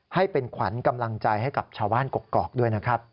ให้เป็นขวัญกำลังใจให้กับชาวบ้านกกอกด้วยนะครับ